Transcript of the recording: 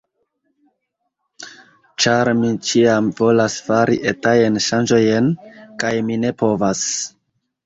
Ĉar mi ĉiam volas fari etajn ŝanĝojn, kaj mi ne povas